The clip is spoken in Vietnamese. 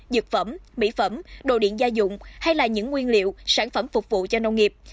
dược phẩm mỹ phẩm đồ điện gia dụng hay là những nguyên liệu sản phẩm phục vụ cho nông nghiệp